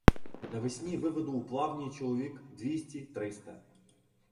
Навесні виведу у плавні чоловік двісті-триста.